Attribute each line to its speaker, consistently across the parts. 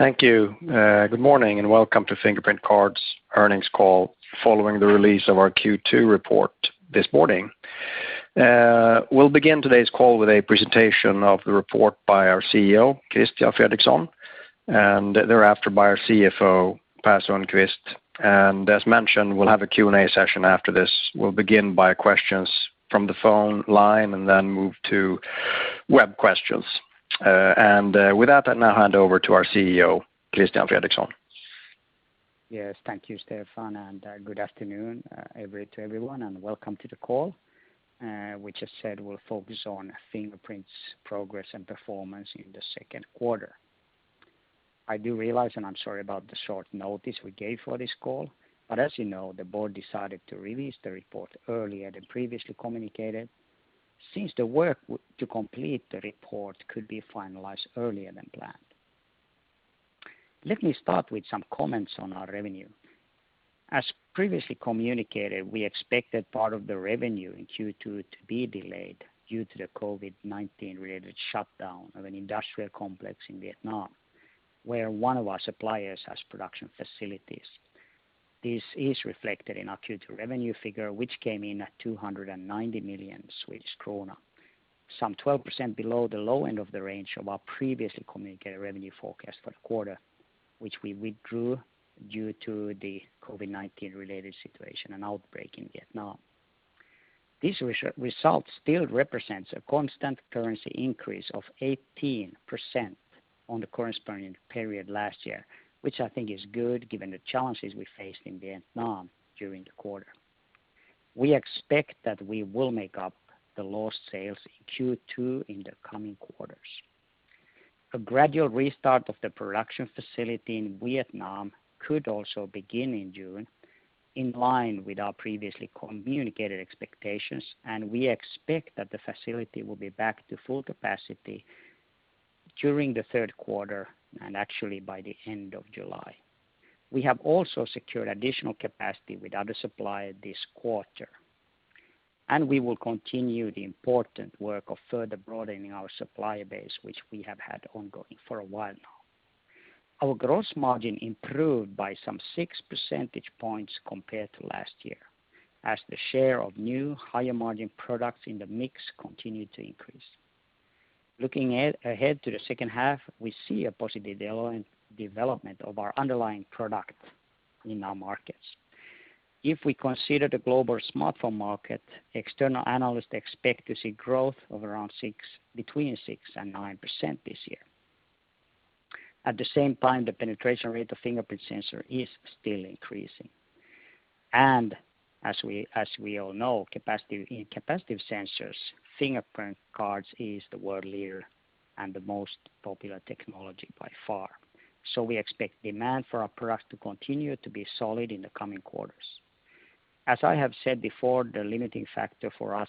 Speaker 1: Thank you. Good morning and welcome to Fingerprint Cards earnings call following the release of our Q2 report this morning. We'll begin today's call with a presentation of the report by our CEO, Christian Fredrikson, and thereafter by our CFO, Per Sundqvist. As mentioned, we'll have a Q&A session after this. We'll begin by questions from the phone line and then move to web questions. With that, I now hand over to our CEO, Christian Fredrikson.
Speaker 2: Thank you, Stefan, and good afternoon to everyone and welcome to the call, which as said, will focus on Fingerprint's progress and performance in the second quarter. I do realize, and I am sorry about the short notice we gave for this call, as you know, the board decided to release the report earlier than previously communicated since the work to complete the report could be finalized earlier than planned. Let me start with some comments on our revenue. As previously communicated, we expected part of the revenue in Q2 to be delayed due to the COVID-19 related shutdown of an industrial complex in Vietnam, where one of our suppliers has production facilities. This is reflected in our Q2 revenue figure, which came in at 290 million krona, some 12% below the low end of the range of our previously communicated revenue forecast for the quarter, which we withdrew due to the COVID-19 related situation and outbreak in Vietnam. This result still represents a constant currency increase of 18% on the corresponding period last year, which I think is good given the challenges we faced in Vietnam during the quarter. We expect that we will make up the lost sales in Q2 in the coming quarters. A gradual restart of the production facility in Vietnam could also begin in June, in line with our previously communicated expectations, and we expect that the facility will be back to full capacity during the third quarter and actually by the end of July. We have also secured additional capacity with other suppliers this quarter, we will continue the important work of further broadening our supplier base, which we have had ongoing for a while now. Our gross margin improved by some six percentage points compared to last year, as the share of new higher margin products in the mix continued to increase. Looking ahead to the second half, we see a positive development of our underlying product in our markets. If we consider the global smartphone market, external analysts expect to see growth of around between 6% and 9% this year. At the same time, the penetration rate of fingerprint sensor is still increasing. As we all know, in capacitive sensors, Fingerprint Cards is the world leader and the most popular technology by far. We expect demand for our product to continue to be solid in the coming quarters. As I have said before, the limiting factor for us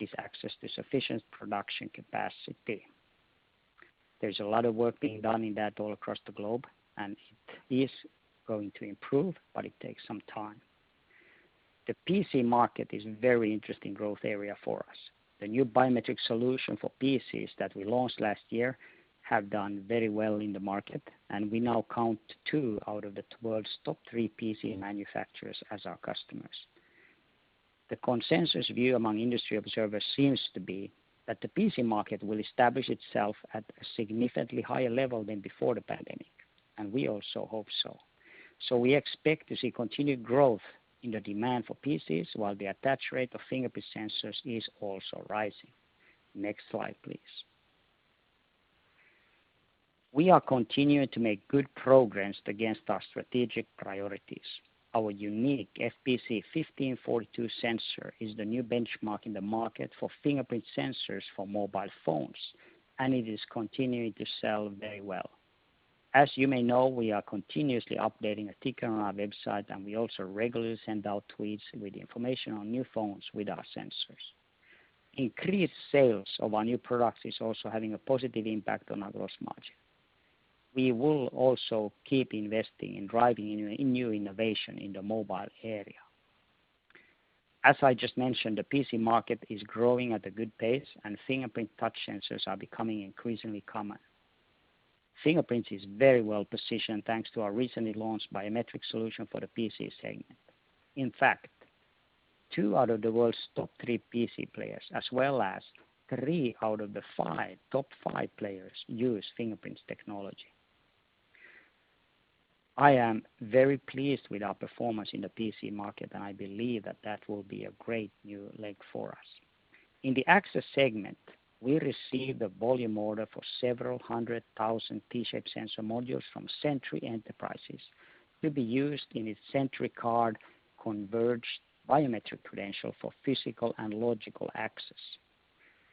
Speaker 2: is access to sufficient production capacity. There's a lot of work being done in that all across the globe, and it is going to improve, but it takes some time. The PC market is a very interesting growth area for us. The new biometric solution for PCs that we launched last year have done very well in the market, and we now count two out of the world's top three PC manufacturers as our customers. The consensus view among industry observers seems to be that the PC market will establish itself at a significantly higher level than before the pandemic, and we also hope so. We expect to see continued growth in the demand for PCs while the attach rate of fingerprint sensors is also rising. Next slide, please. We are continuing to make good progress against our strategic priorities. Our unique FPC1542 sensor is the new benchmark in the market for fingerprint sensors for mobile phones, and it is continuing to sell very well. As you may know, we are continuously updating a ticker on our website, and we also regularly send out tweets with information on new phones with our sensors. Increased sales of our new products is also having a positive impact on our gross margin. We will also keep investing in driving new innovation in the mobile area. As I just mentioned, the PC market is growing at a good pace, and fingerprint touch sensors are becoming increasingly common. Fingerprints is very well-positioned thanks to our recently launched biometric solution for the PC segment. In fact, two out of the world's top three PC players, as well as threeout of the top five players, use Fingerprint Cards technology. I am very pleased with our performance in the PC market, and I believe that that will be a great new leg for us. In the access segment, we received a volume order for several hundred thousand T-Shape sensor modules from Sentry Enterprises to be used in its SentryCard converged biometric credential for physical and logical access.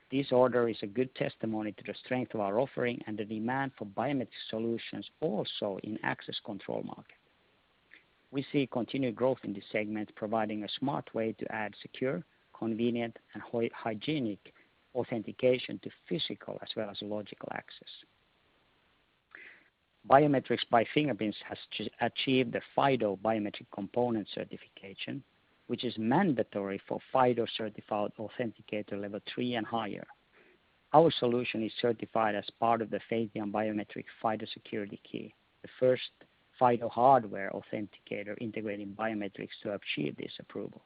Speaker 2: This order is a good testimony to the strength of our offering and the demand for biometric solutions also in access control market. We see continued growth in this segment, providing a smart way to add secure, convenient, and hygienic authentication to physical as well as logical access. Biometrics by Fingerprint Cards has achieved the FIDO Biometric Component Certification, which is mandatory for FIDO Certified Authenticator Level 3 and higher. Our solution is certified as part of the FEITIAN BioPass FIDO Security Key, the first FIDO hardware authenticator integrating biometrics to achieve this approval.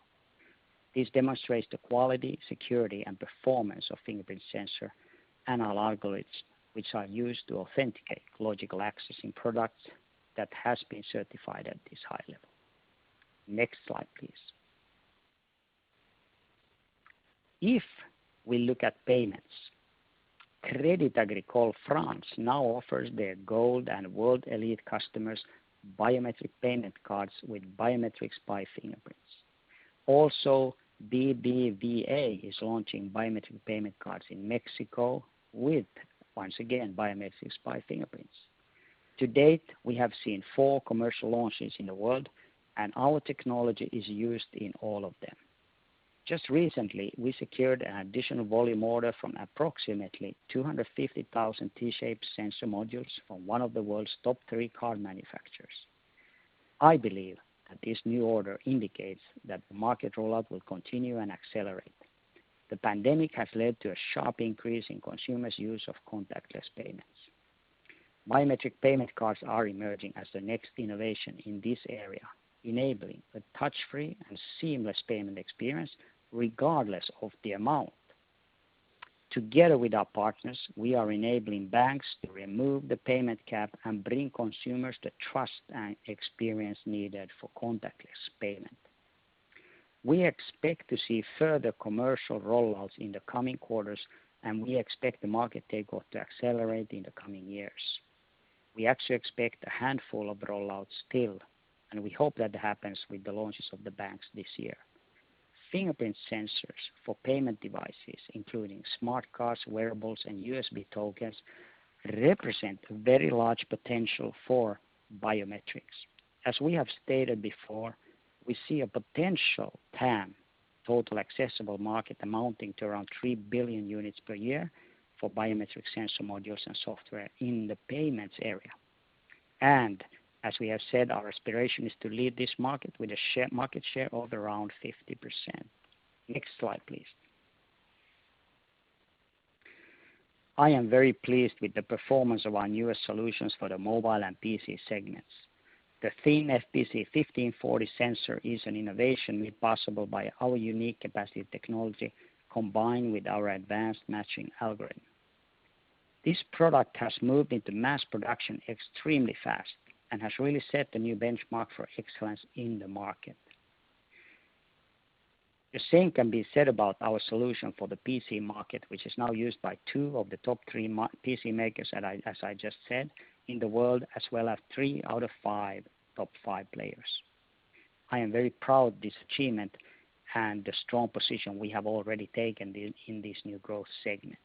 Speaker 2: This demonstrates the quality, security, and performance of Fingerprint sensor and algorithms, which are used to authenticate logical access in products that has been certified at this high level. Next slide, please. If we look at payments, Crédit Agricole France now offers their Gold and World Elite customers biometric payment cards with biometrics by Fingerprints. BBVA is launching biometric payment cards in Mexico with, once again, biometrics by Fingerprints. To date, we have seen four commercial launches in the world, our technology is used in all of them. Just recently, we secured an additional volume order from approximately 250,000 T-Shaped sensor modules from one of the world's top three car manufacturers. I believe that this new order indicates that the market rollout will continue and accelerate. The pandemic has led to a sharp increase in consumers' use of contactless payments. Biometric payment cards are emerging as the next innovation in this area, enabling a touch-free and seamless payment experience regardless of the amount. Together with our partners, we are enabling banks to remove the payment cap and bring consumers the trust and experience needed for contactless payment. We expect to see further commercial rollouts in the coming quarters, and we expect the market takeoff to accelerate in the coming years. We actually expect a handful of rollouts still, and we hope that happens with the launches of the banks this year. Fingerprint sensors for payment devices, including smart cards, wearables, and USB tokens, represent very large potential for biometrics. As we have stated before, we see a potential TAM, Total Accessible Market, amounting to around 3 billion units per year for biometric sensor modules and software in the payments area. As we have said, our aspiration is to lead this market with a market share of around 50%. Next slide, please. I am very pleased with the performance of our newest solutions for the mobile and PC segments. The FPC1540 sensor is an innovation made possible by our unique capacitive technology, combined with our advanced matching algorithm. This product has moved into mass production extremely fast and has really set a new benchmark for excellence in the market. The same can be said about our solution for the PC market, which is now used by two of the top three PC makers, as I just said, in the world, as well as three out of five top five players. I am very proud of this achievement and the strong position we have already taken in this new growth segment.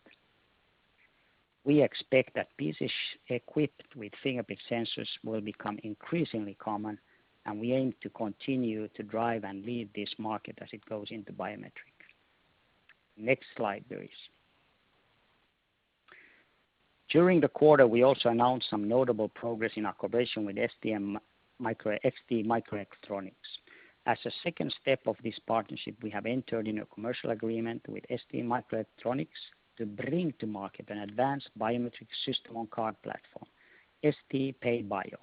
Speaker 2: We expect that PCs equipped with fingerprint sensors will become increasingly common, and we aim to continue to drive and lead this market as it goes into biometrics. Next slide, please. During the quarter, we also announced some notable progress in our cooperation with STMicroelectronics. As a second step of this partnership, we have entered into a commercial agreement with STMicroelectronics to bring to market an advanced biometric system-on-card platform, STPayBio.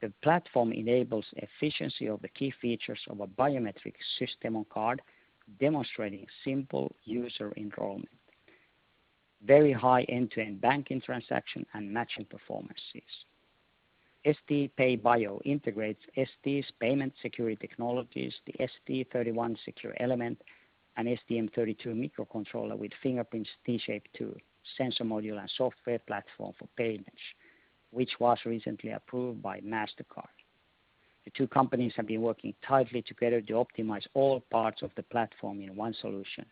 Speaker 2: The platform enables efficiency of the key features of a biometric system-on-card, demonstrating simple user enrollment, very high end-to-end banking transaction, and matching performances. STPayBio integrates ST's payment security technologies, the ST31 secure element, and STM32 microcontroller with Fingerprint's T-Shape 2 sensor module and software platform for payments, which was recently approved by Mastercard. The two companies have been working tightly together to optimize all parts of the platform in one solution.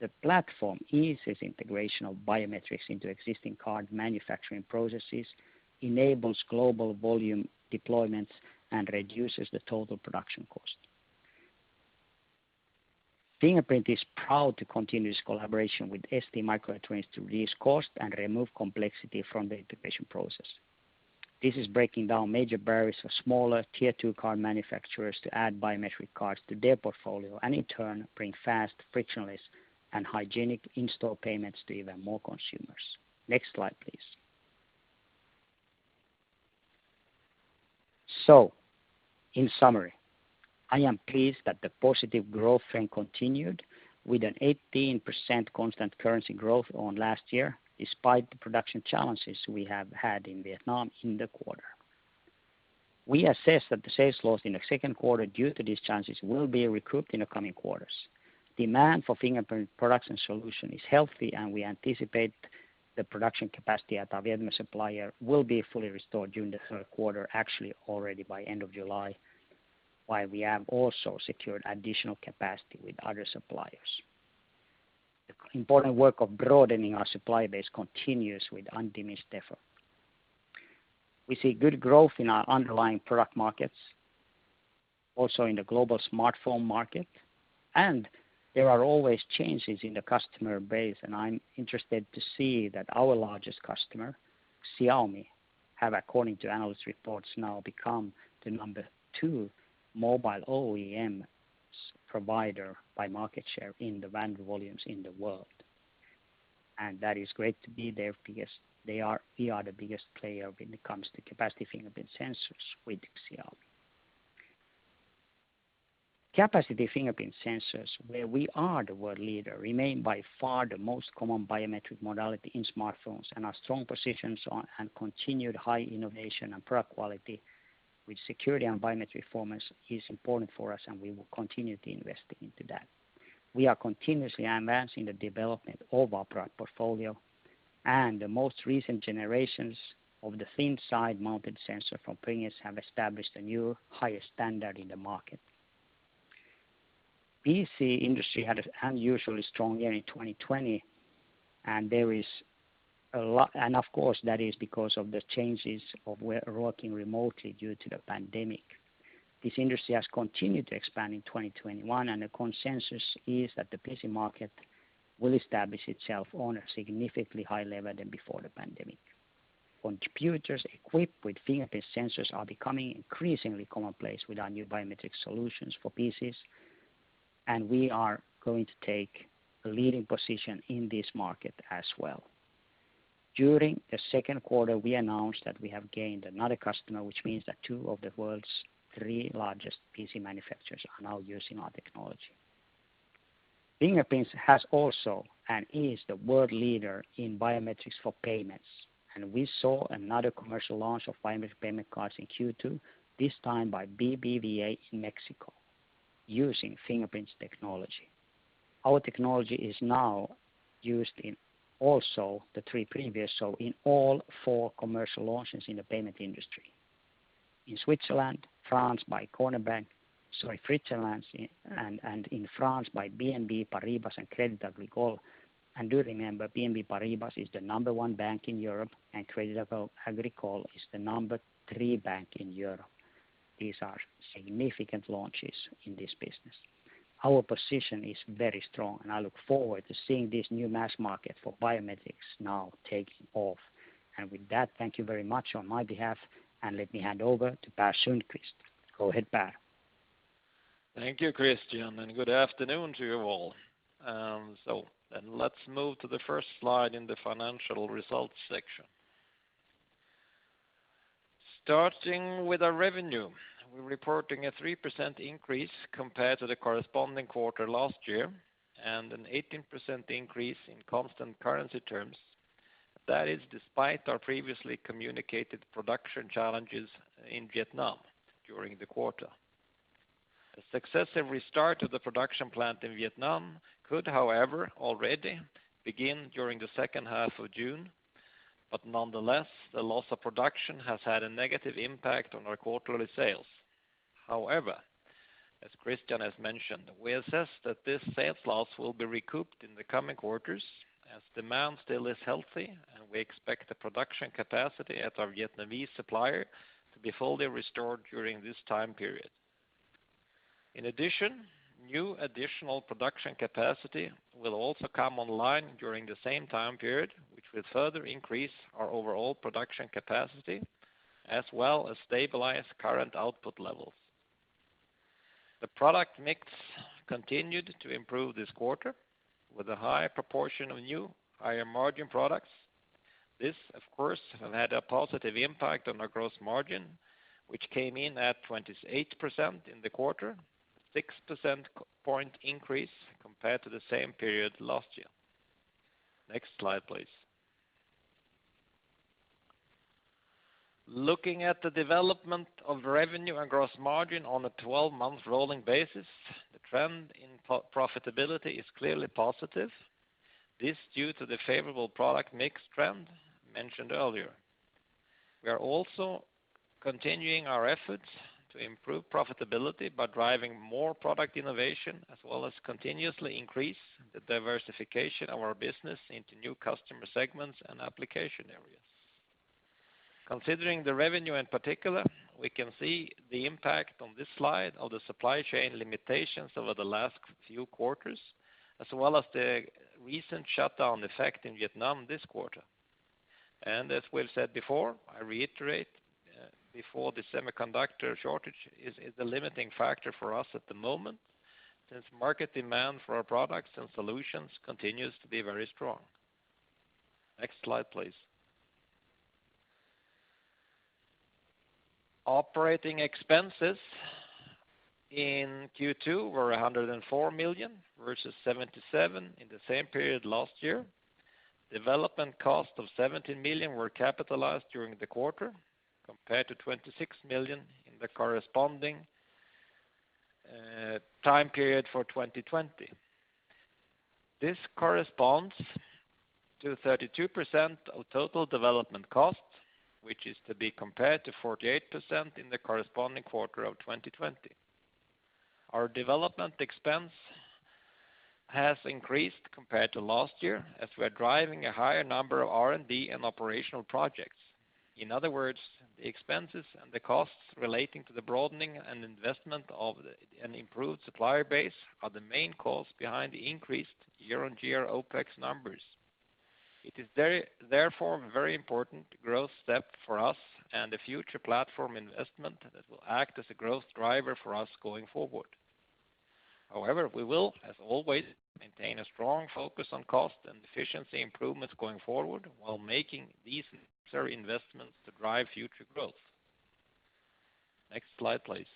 Speaker 2: The platform eases integration of biometrics into existing card manufacturing processes, enables global volume deployments, and reduces the total production cost. Fingerprint is proud to continue its collaboration with STMicroelectronics to reduce cost and remove complexity from the integration process. This is breaking down major barriers for smaller Tier 2 card manufacturers to add biometric cards to their portfolio and, in turn, bring fast, frictionless, and hygienic in-store payments to even more consumers. Next slide, please. In summary, I am pleased that the positive growth trend continued with an 18% constant currency growth on last year, despite the production challenges we have had in Vietnam in the quarter. We assess that the sales loss in the second quarter due to these challenges will be recouped in the coming quarters. Demand for Fingerprint production solution is healthy, and we anticipate the production capacity at our Vietnam supplier will be fully restored during the third quarter, actually already by end of July, while we have also secured additional capacity with other suppliers. The important work of broadening our supply base continues with undiminished effort. We see good growth in our underlying product markets. Also in the global smartphone market, there are always changes in the customer base, and I'm interested to see that our largest customer, Xiaomi, have, according to analyst reports, now become the number two mobile OEM provider by market share in the vendor volumes in the world. That is great to be there. We are the biggest player when it comes to capacitive fingerprint sensors with Xiaomi. Capacity fingerprint sensors, where we are the world leader, remain by far the most common biometric modality in smartphones and our strong positions on and continued high innovation and product quality with security and biometric performance is important for us and we will continue to invest into that. We are continuously advancing the development of our product portfolio, and the most recent generations of the thin side mounted sensor from Fingerprint Cards have established a new higher standard in the market. PC industry had an unusually strong year in 2020, and of course that is because of the changes of working remotely due to the pandemic. This industry has continued to expand in 2021, and the consensus is that the PC market will establish itself on a significantly higher level than before the pandemic. Computers equipped with fingerprint sensors are becoming increasingly commonplace with our new biometric solutions for PCs, and we are going to take a leading position in this market as well. During the second quarter, we announced that we have gained another customer, which means that two of the world's three largest PC manufacturers are now using our technology. Fingerprint Cards has also, and is the world leader in biometrics for payments. We saw another commercial launch of biometric payment cards in Q2, this time by BBVA in Mexico using Fingerprint Cards technology. Our technology is now used in also the three previous, so in all four commercial launches in the payment industry. In Switzerland, France, by Cornèr Bank, sorry, Switzerland, in France by BNP Paribas and Crédit Agricole. Do remember, BNP Paribas is the number one bank in Europe and Crédit Agricole is the number three bank in Europe. These are significant launches in this business. Our position is very strong. I look forward to seeing this new mass market for biometrics now taking off. With that, thank you very much on my behalf. Let me hand over to Per Sundqvist. Go ahead, Per.
Speaker 3: Thank you, Christian, and good afternoon to you all. Let's move to the first slide in the financial results section. Starting with our revenue, we're reporting a 3% increase compared to the corresponding quarter last year and an 18% increase in constant currency terms. That is despite our previously communicated production challenges in Vietnam during the quarter. A successive restart of the production plant in Vietnam could, however, already begin during the second half of June. Nonetheless, the loss of production has had a negative impact on our quarterly sales. However, as Christian has mentioned, we assess that this sales loss will be recouped in the coming quarters as demand still is healthy, and we expect the production capacity at our Vietnamese supplier to be fully restored during this time period. In addition, new additional production capacity will also come online during the same time period, which will further increase our overall production capacity as well as stabilize current output levels. The product mix continued to improve this quarter with a high proportion of new higher margin products. This, of course, had a positive impact on our gross margin, which came in at 28% in the quarter, 6 percentage point increase compared to the same period last year. Next slide, please. Looking at the development of revenue and gross margin on a 12-month rolling basis, the trend in profitability is clearly positive. This due to the favorable product mix trend mentioned earlier. We are also continuing our efforts to improve profitability by driving more product innovation, as well as continuously increase the diversification of our business into new customer segments and application areas. Considering the revenue in particular, we can see the impact on this slide of the supply chain limitations over the last few quarters, as well as the recent shutdown effect in Vietnam this quarter. As we've said before, I reiterate before the semiconductor shortage is the limiting factor for us at the moment, since market demand for our products and solutions continues to be very strong. Next slide, please. Operating expenses in Q2 were 104 million, versus 77 in the same period last year. Development cost of 17 million were capitalized during the quarter, compared to 26 million in the corresponding time period for 2020. This corresponds to 32% of total development cost, which is to be compared to 48% in the corresponding quarter of 2020. Our development expense has increased compared to last year as we are driving a higher number of R&D and operational projects. In other words, the expenses and the costs relating to the broadening and investment of an improved supplier base are the main cause behind the increased year-on-year OPEX numbers. It is therefore, a very important growth step for us and a future platform investment that will act as a growth driver for us going forward. However, we will, as always, maintain a strong focus on cost and efficiency improvements going forward while making these necessary investments to drive future growth. Next slide, please.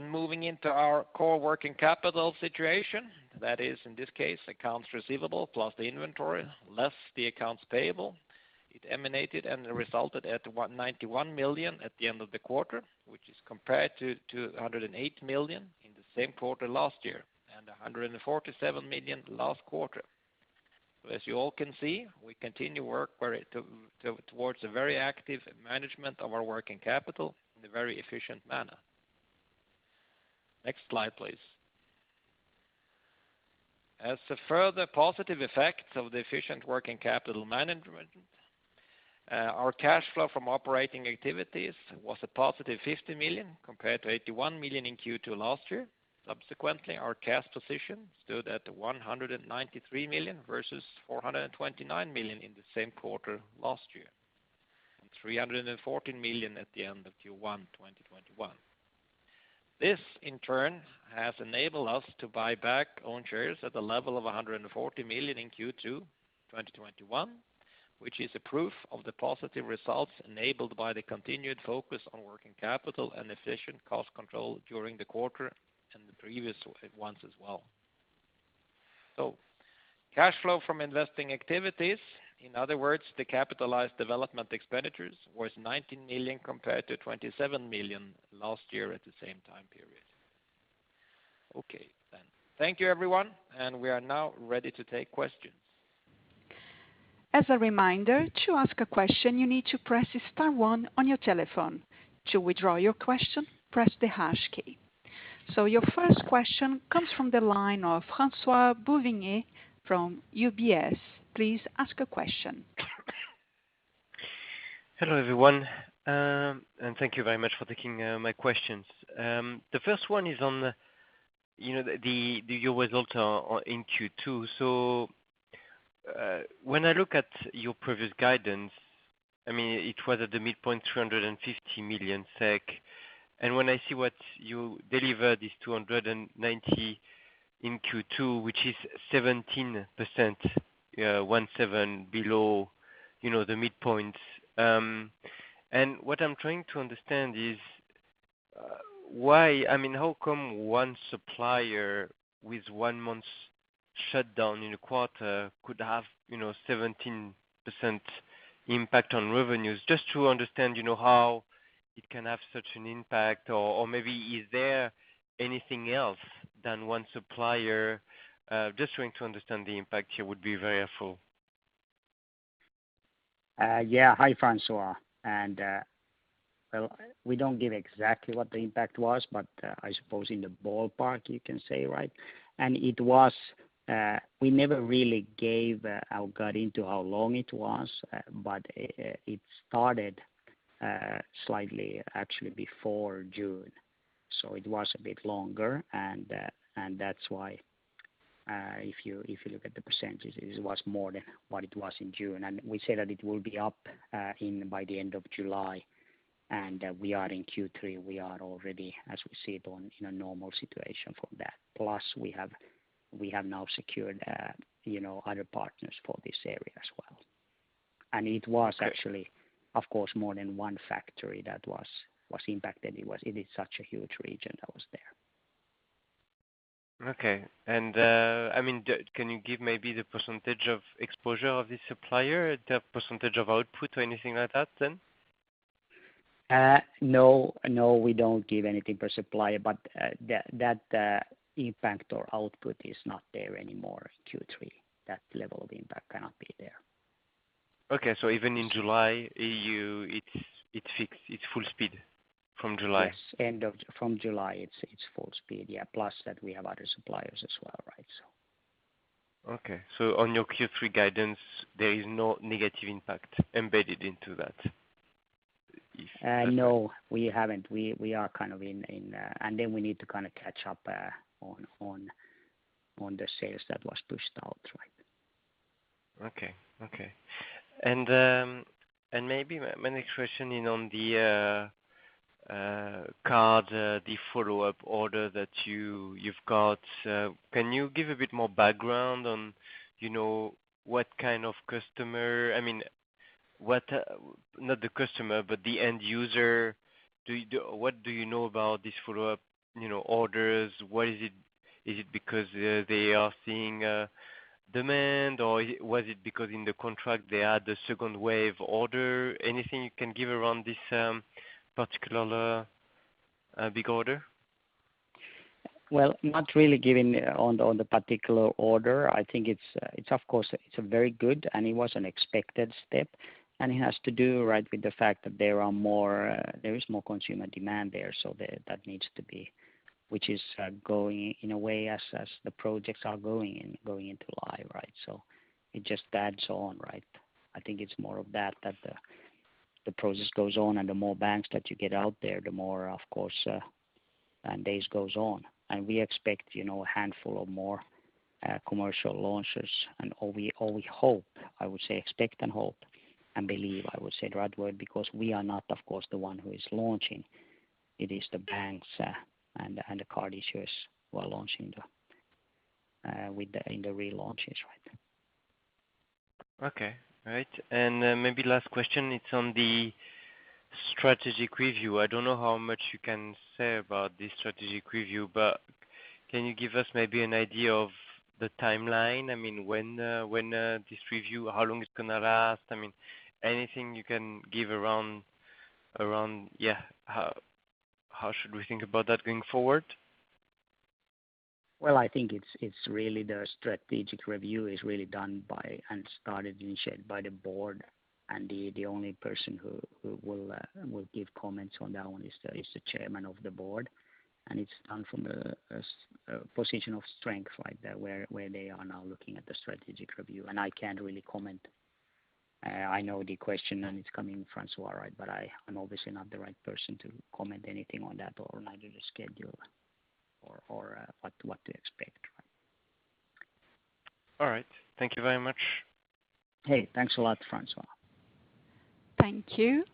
Speaker 3: Moving into our core working capital situation, that is, in this case, accounts receivable plus the inventory, less the accounts payable. It emanated and resulted at 191 million at the end of the quarter, which is compared to 108 million in the same quarter last year, and 147 million last quarter. As you all can see, we continue to work towards a very active management of our working capital in a very efficient manner. Next slide, please. As a further positive effect of the efficient working capital management our cash flow from operating activities was a positive 50 million compared to 81 million in Q2 last year. Subsequently, our cash position stood at 193 million versus 429 million in the same quarter last year, and 314 million at the end of Q1 2021. This, in turn, has enabled us to buy back own shares at the level of 140 million in Q2 2021, which is a proof of the positive results enabled by the continued focus on working capital and efficient cost control during the quarter and the previous ones as well. Cash flow from investing activities, in other words, the capitalized development expenditures, was 19 million compared to 27 million last year at the same time period. Okay. Thank you, everyone. We are now ready to take questions.
Speaker 4: As a reminder, to ask a question, you need to press star one on your telephone. To withdraw your question, press the hash key. Your first question comes from the line of François-Xavier Bouvignies from UBS. Please ask a question.
Speaker 5: Hello, everyone. Thank you very much for taking my questions. The first one is on the year results in Q2. When I look at your previous guidance, it was at the midpoint 350 million SEK. When I see what you delivered is 290 in Q2, which is 17% below the midpoint. What I'm trying to understand is why, how come one supplier with one month's shutdown in a quarter could have 17% impact on revenues? Just to understand how it can have such an impact or maybe is there anything else than one supplier? Just trying to understand the impact here would be very helpful.
Speaker 2: Yeah. Hi, François. Well, we don't give exactly what the impact was, but I suppose in the ballpark, you can say, right? We never really gave our gut into how long it was, but it started slightly, actually before June, so it was a bit longer and that's why if you look at the percentages, it was more than what it was in June. We said that it will be up by the end of July, and we are in Q3, we are already, as we see it, in a normal situation for that. Plus, we have now secured other partners for this area as well. It was actually, of course, more than one factory that was impacted. It is such a huge region that was there.
Speaker 5: Okay. can you give maybe the percentage of exposure of this supplier, the percentage of output or anything like that then?
Speaker 2: No, we don't give anything per supplier, but that impact or output is not there anymore, Q3. That level of impact cannot be there.
Speaker 5: Okay. Even in July, it's full speed from July?
Speaker 2: Yes, from July, it's full speed, yeah. Plus that we have other suppliers as well.
Speaker 5: Okay. On your Q3 guidance, there is no negative impact embedded into that?
Speaker 2: No, we haven't. We need to kind of catch up on the sales that was pushed out.
Speaker 5: Okay. Maybe my next question in on the card the follow-up order that you've got. Can you give a bit more background on what kind of customer, not the customer, but the end user? What do you know about these follow-up orders? Is it because they are seeing demand, or was it because in the contract they had the second wave order? Anything you can give around this particular big order?
Speaker 3: Well, not really giving on the particular order. I think it's of course, it's very good. It was an expected step. It has to do with the fact that there is more consumer demand there. That needs to be-
Speaker 2: Which is going in a way as the projects are going into live. It just adds on. I think it's more of that the process goes on, the more banks that you get out there, the more, of course, days goes on. We expect a handful of more commercial launches and all we hope, I would say expect and hope, and believe, I would say the right word, because we are not, of course, the one who is launching. It is the banks and the card issuers who are launching in the relaunches.
Speaker 5: Okay. All right. Maybe last question, it's on the strategic review. I don't know how much you can say about this strategic review, but can you give us maybe an idea of the timeline? How long it's going to last? Anything you can give around how should we think about that going forward?
Speaker 2: Well, I think the strategic review is really done by and started, initiated by the board. The only person who will give comments on that one is the chairman of the board, and it's done from a position of strength, where they are now looking at the strategic review, and I can't really comment. I know the question, and it's coming, François, but I'm obviously not the right person to comment anything on that, or neither the schedule or what to expect.
Speaker 5: All right. Thank you very much.
Speaker 2: Hey, thanks a lot, François.
Speaker 4: Thank you.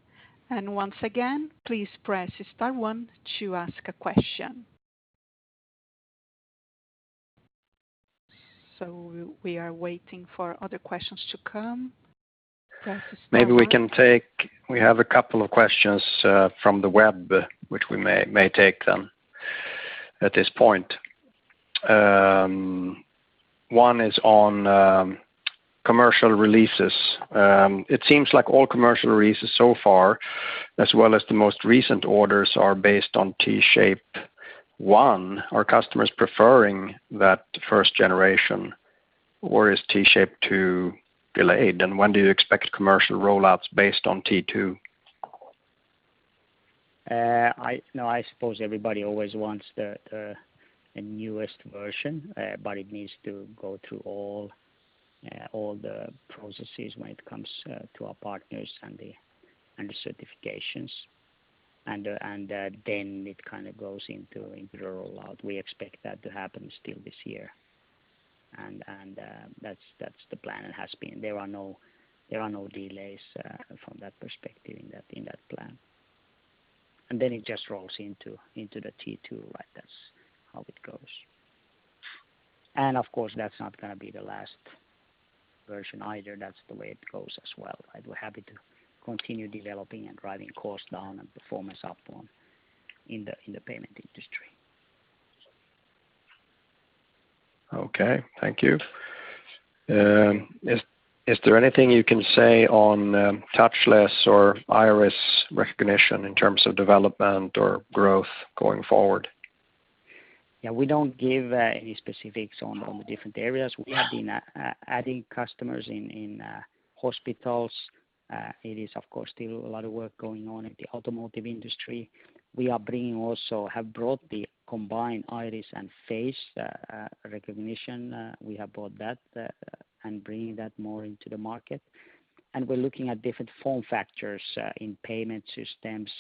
Speaker 4: Once again, please press star one to ask a question. We are waiting for other questions to come. Press star one.
Speaker 1: Maybe we have a couple of questions from the web, which we may take then at this point. One is on commercial releases. It seems like all commercial releases so far, as well as the most recent orders, are based on T-Shape 1. Are customers preferring that first generation, or is T-Shape 2 delayed? When do you expect commercial roll-outs based on T2?
Speaker 2: I suppose everybody always wants the newest version, it needs to go through all the processes when it comes to our partners and the certifications. It kind of goes into the rollout. We expect that to happen still this year. That's the plan and has been. There are no delays from that perspective in that plan. It just rolls into the T2. That's how it goes. Of course, that's not gonna be the last version either. That's the way it goes as well, we're happy to continue developing and driving costs down and performance up in the payment industry.
Speaker 1: Okay. Thank you. Is there anything you can say on touchless or iris recognition in terms of development or growth going forward?
Speaker 2: Yeah, we don't give any specifics on all the different areas. We have been adding customers in hospitals. It is, of course, still a lot of work going on in the automotive industry. We also have brought the combined iris and face recognition. We have brought that and bringing that more into the market. We're looking at different form factors in payment systems,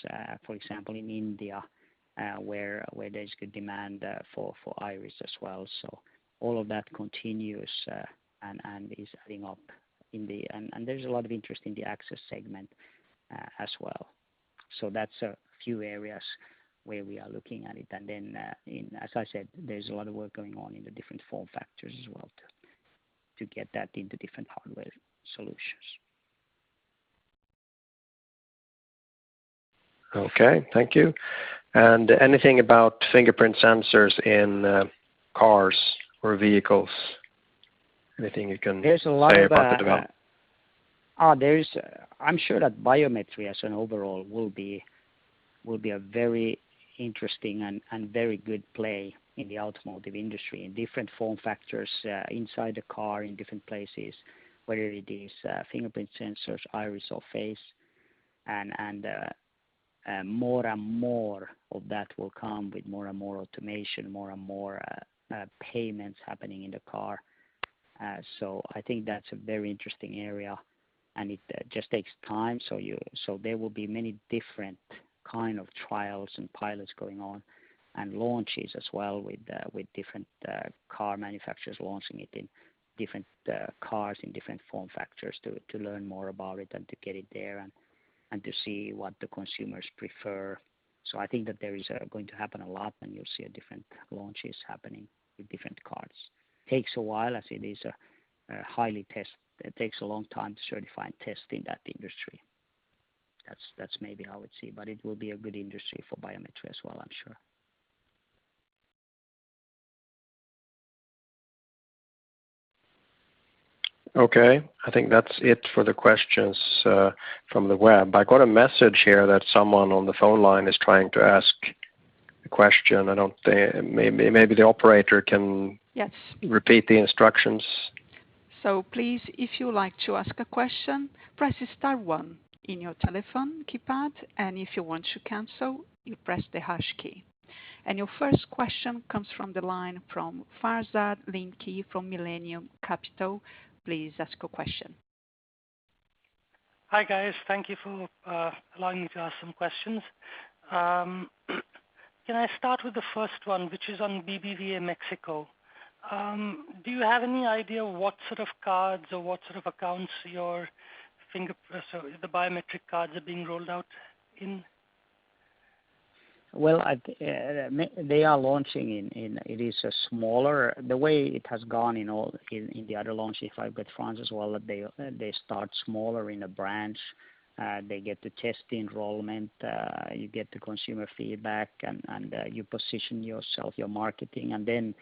Speaker 2: for example, in India, where there's good demand for iris as well. All of that continues and is adding up, and there's a lot of interest in the access segment as well. That's a few areas where we are looking at it. Then, as I said, there's a lot of work going on in the different form factors as well to get that into different hardware solutions.
Speaker 1: Okay. Thank you. Anything about fingerprint sensors in cars or vehicles? Anything you can say about the development?
Speaker 2: I'm sure that biometry as an overall will be a very interesting and very good play in the automotive industry in different form factors, inside the car, in different places, whether it is fingerprint sensors, iris, or face. More and more of that will come with more and more automation, more and more payments happening in the car. I think that's a very interesting area, and it just takes time. There will be many different kind of trials and pilots going on and launches as well with different car manufacturers launching it in different cars, in different form factors to learn more about it and to get it there and to see what the consumers prefer. I think that there is going to happen a lot, and you'll see different launches happening with different cars. Takes a while, as it takes a long time to certify and test in that industry. That's maybe how it's, but it will be a good industry for biometry as well, I'm sure.
Speaker 1: Okay, I think that's it for the questions from the web. I got a message here that someone on the phone line is trying to ask a question. Maybe the operator can.
Speaker 4: Yes
Speaker 1: repeat the instructions.
Speaker 4: Please, if you would like to ask a question, press star one in your telephone keypad, and if you want to cancel, you press the hash key. Your first question comes from the line from Farzad Limki from Millennium Capital. Please ask your question.
Speaker 6: Hi, guys. Thank you for allowing me to ask some questions. Can I start with the first one, which is on BBVA Mexico? Do you have any idea what sort of cards or what sort of accounts your fingerprint, sorry, the biometric cards are being rolled out in?
Speaker 2: Well, they are launching in. It is smaller. The way it has gone in the other launches, if I look at France as well, they start smaller in a branch. They get to test the enrollment, you get the consumer feedback, and you position yourself, your marketing, and then,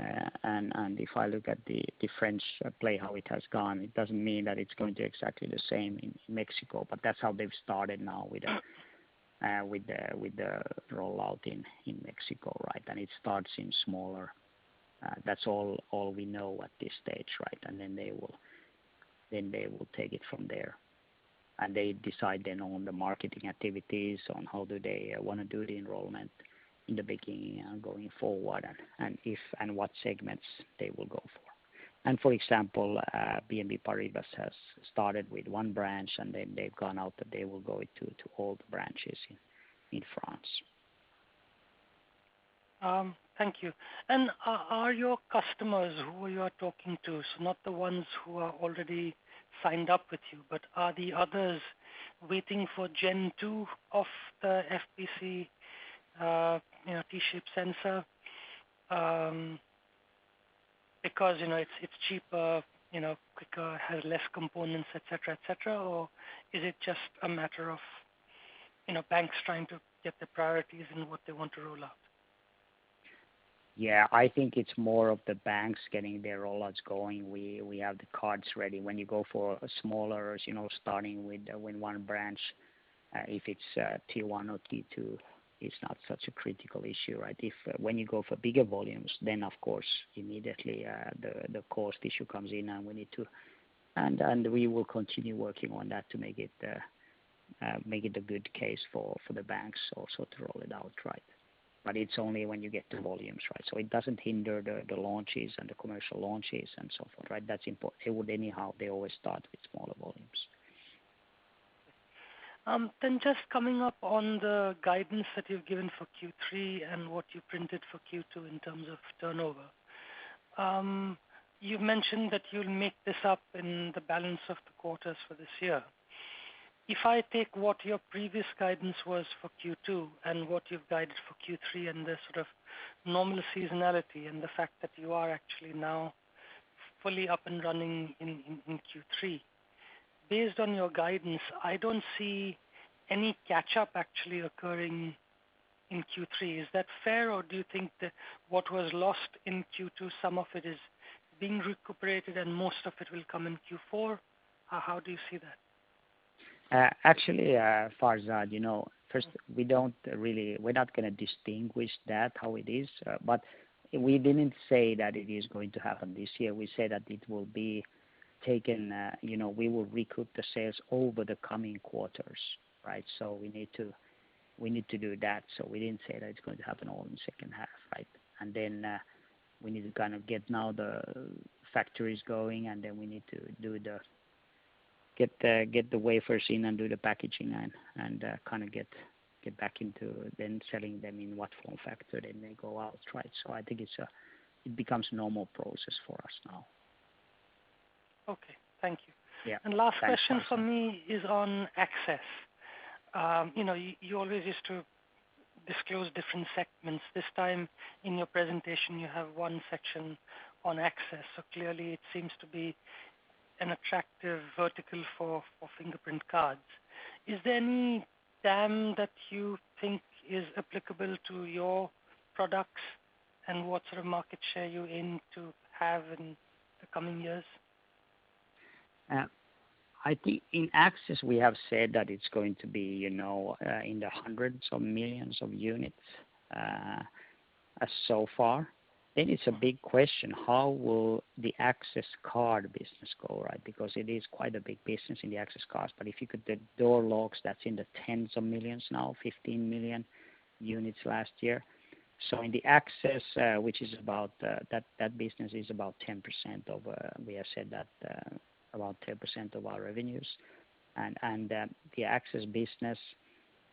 Speaker 2: if I look at the French play, how it has gone, it doesn't mean that it's going to exactly the same in Mexico, but that's how they've started now with the rollout in Mexico, right? It starts in smaller. That's all we know at this stage, right? Then they will take it from there. They decide then on the marketing activities, on how do they want to do the enrollment in the beginning and going forward, and what segments they will go for. For example, BNP Paribas has started with one branch, and then they've gone out that they will go to all the branches in France.
Speaker 6: Thank you. Are your customers who you are talking to, so not the ones who are already signed up with you, but are the others waiting for gen-2 of the FPC T-Shape sensor, because it's cheaper, quicker, has less components, et cetera, or is it just a matter of banks trying to get the priorities in what they want to roll out?
Speaker 2: I think it's more of the banks getting their rollouts going. We have the cards ready. When you go for smaller, starting with one branch, if it's T1 or T2, it's not such a critical issue, right? If when you go for bigger volumes, of course, immediately, the cost issue comes in, and we will continue working on that to make it a good case for the banks also to roll it out, right? It's only when you get the volumes, right? It doesn't hinder the launches and the commercial launches and so forth, right? That's important. They would anyhow, they always start with smaller volumes.
Speaker 6: Just coming up on the guidance that you've given for Q3 and what you printed for Q2 in terms of turnover. You've mentioned that you'll make this up in the balance of the quarters for this year. If I take what your previous guidance was for Q2 and what you've guided for Q3 and the sort of normal seasonality and the fact that you are actually now fully up and running in Q3, based on your guidance, I don't see any catch-up actually occurring in Q3. Is that fair, or do you think that what was lost in Q2, some of it is being recuperated and most of it will come in Q4? How do you see that?
Speaker 2: Actually, Farzad, first, we're not going to distinguish that how it is. We didn't say that it is going to happen this year. We said that we will recoup the sales over the coming quarters. Right? We need to do that. We didn't say that it's going to happen all in the second half, right? We need to kind of get now the factories going, and then we need to get the wafers in and do the packaging and kind of get back into then selling them in what form factor, then they go out. Right? I think it becomes normal process for us now.
Speaker 6: Okay. Thank you.
Speaker 2: Yeah. Thanks, Farzad.
Speaker 6: Last question from me is on access. You always used to disclose different segments. This time in your presentation, you have one section on access, so clearly it seems to be an attractive vertical for Fingerprint Cards. Is there any TAM that you think is applicable to your products, and what sort of market share you aim to have in the coming years?
Speaker 2: I think in access, we have said that it's going to be in the hundreds of millions of units so far. It's a big question, how will the access card business go, right? Because it is quite a big business in the access cards. The door locks, that's in the tens of millions now, 15 million units last year. In the access, that business is about 10%, we have said that, about 10% of our revenues. The access business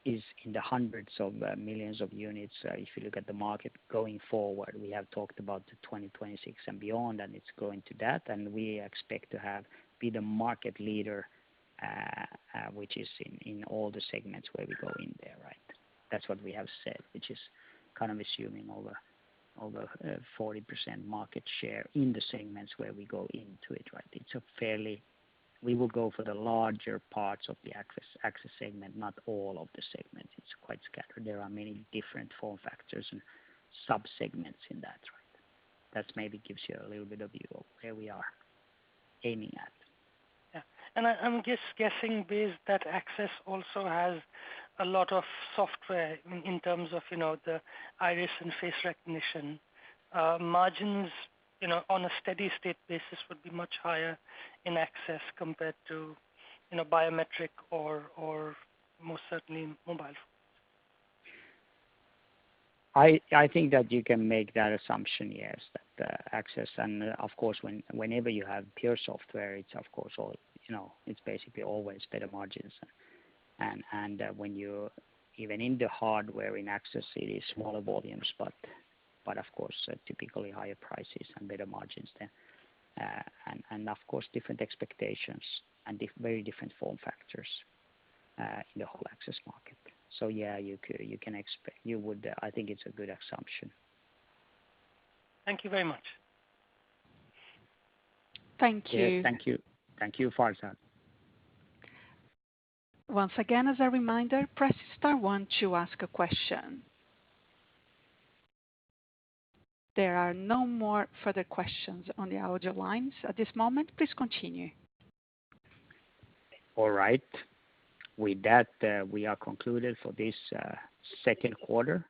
Speaker 2: is in the hundreds of millions of units if you look at the market going forward. We have talked about the 2026 and beyond, and it's going to that, and we expect to be the market leader, which is in all the segments where we go in there, right? That is what we have said, which is kind of assuming over a 40% market share in the segments where we go into it, right? We will go for the larger parts of the access segment, not all of the segment. It is quite scattered. There are many different form factors and sub-segments in that, right? That maybe gives you a little bit of view of where we are aiming at.
Speaker 6: Yeah. I'm just guessing, based that Access also has a lot of software in terms of the iris and face recognition. Margins, on a steady state basis, would be much higher in Access compared to biometric or most certainly Mobile.
Speaker 2: I think that you can make that assumption, yes, that access and, of course, whenever you have pure software, it's basically always better margins. Even in the hardware, in access, it is smaller volumes, but of course, typically higher prices and better margins there. Of course, different expectations and very different form factors in the whole access market. Yeah, I think it's a good assumption.
Speaker 6: Thank you very much.
Speaker 4: Thank you.
Speaker 2: Yeah. Thank you. Thank you, Farzad.
Speaker 4: Once again, as a reminder, press star one to ask a question. There are no more further questions on the audio lines at this moment. Please continue.
Speaker 2: All right. With that, we are concluded for this second quarter.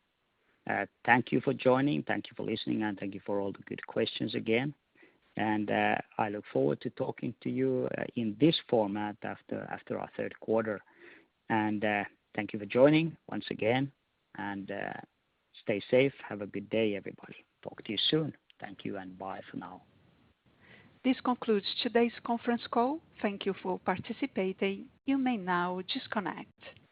Speaker 2: Thank you for joining, thank you for listening, and thank you for all the good questions again. I look forward to talking to you in this format after our third quarter. Thank you for joining once again, and stay safe. Have a good day, everybody. Talk to you soon. Thank you, and bye for now.
Speaker 4: This concludes today's conference call. Thank you for participating. You may now disconnect.